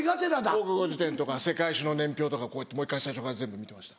国語辞典とか世界史の年表とかもう１回最初から全部見てました。